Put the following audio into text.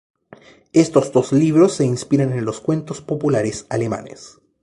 Estos dos libros se inspiran en los cuentos populares alemanes.